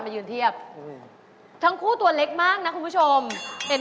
คุณนี่ถ้าคุณหญิงกับคุณชุน้อง